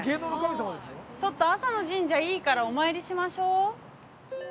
ちょっと朝の神社いいからお参りしましょ。